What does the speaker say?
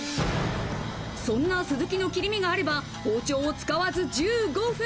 そんなスズキの切り身があれば包丁を使わず１５分。